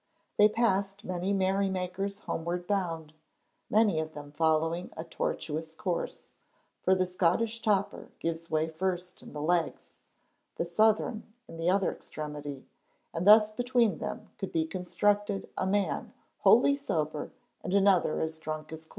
They passed many merry makers homeward bound, many of them following a tortuous course, for the Scottish toper gives way first in the legs, the Southron in the other extremity, and thus between them could be constructed a man wholly sober and another as drunk as Chloe.